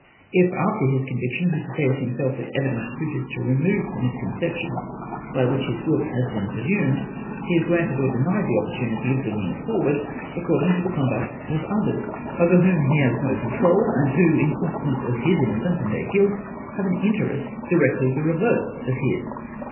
If, after his conviction, he prepares himself with evidence suited to remove the mis conceptions by which his guilt has been presumed, he is granted or denied the opportunity of bringing it forward, according to tlie conduct of others, over whom he has no OPINIONS OF THE PRESS. 477 control, and who, in consequence of his innocence, and their guilt, have an interest directly the reverse of his.